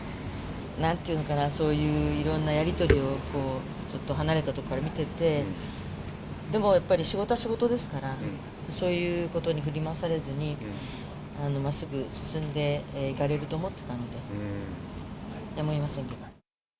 なんていうのかな、そういういろんなやり取りをずっと離れた所から見てて、でもやっぱり、仕事は仕事ですから、そういうことには振り回されずに、まっすぐ進んでいかれると思ってたので、やむをえませんね。